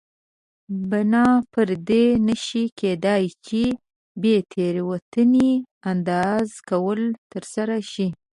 بنا پر دې نه شي کېدای چې بې تېروتنې اندازه کول ترسره شي.